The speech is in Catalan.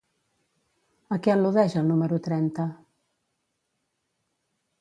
A què al·ludeix el número trenta?